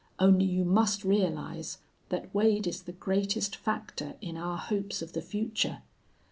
Only you must realize that Wade is the greatest factor in our hopes of the future.